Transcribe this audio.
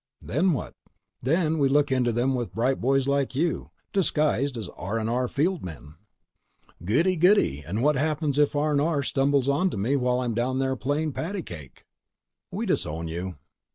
"Then what?" "Then we look into them with bright boys like you—disguised as R&R field men." "Goody, goody. And what happens if R&R stumbles onto me while I'm down there playing patty cake?" "We disown you."